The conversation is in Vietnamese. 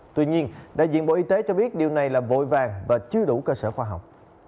tuy nhiên đại diện bộ y tế cho biết điều này là vội vàng và chưa đủ cơ sở khoa học